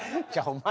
お前